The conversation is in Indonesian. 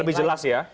lebih jelas ya